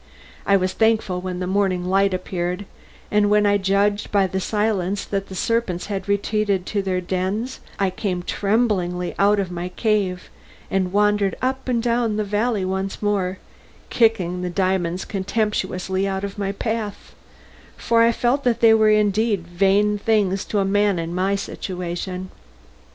I was thankful when the morning light appeared, and when I judged by the silence that the serpents had retreated to their dens I came tremblingly out of my cave and wandered up and down the valley once more, kicking the diamonds contemptuously out of my path, for I felt that they were indeed vain things to a man in my situation.